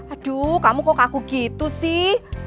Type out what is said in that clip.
aduh kamu kok kaku gitu sih